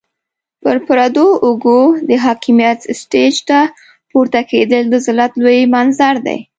پر پردو اوږو د حاکميت سټېج ته پورته کېدل د ذلت لوی منظر دی.